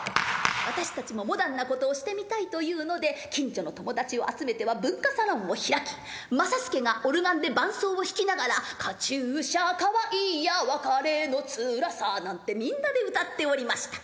私たちもモダンなことをしてみたいというので近所の友達を集めては文化サロンを開き正祐がオルガンで伴奏を弾きながら「カチューシャかわいやわかれのつらさ」なんてみんなで歌っておりました。